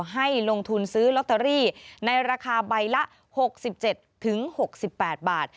ให้ลงทุนซื้อลอตเตอรี่ในราคาใบละ๖๗๖๘บาท